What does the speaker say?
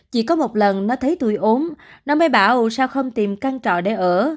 chỉ có một lần nó thấy tuổi ốm nó mới bảo sao không tìm căn trọ để ở